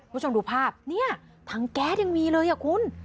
คุณผู้ชมดูภาพเนี่ยถังแก๊สยังมีเลยอ่ะคุณ